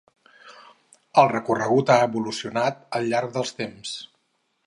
El recorregut ha evolucionat al llarg del temps.